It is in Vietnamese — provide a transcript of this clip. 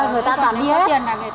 người ta toàn đi hết